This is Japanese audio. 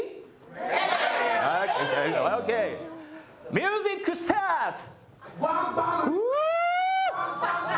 ミュージックスタート！